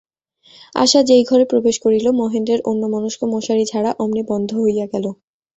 আশা যেই ঘরে প্রবেশ করিল, মহেন্দ্রের অন্যমনস্ক মশারি-ঝাড়া অমনি বন্ধ হইয়া গেল।